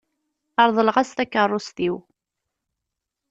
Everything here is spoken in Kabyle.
Reḍleɣ-as takeṛṛust-iw.